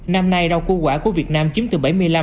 năm nay rau củ quả của việt nam chiếm từ bảy mươi năm tám mươi